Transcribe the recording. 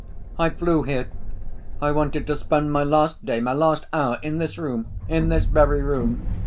"I flew here.... I wanted to spend my last day, my last hour in this room, in this very room